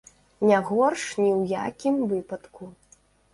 Не горш ні ў якім выпадку.